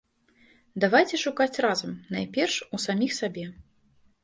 Давайце шукаць разам, найперш, у саміх сабе.